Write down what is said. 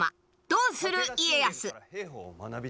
「どうする家康」。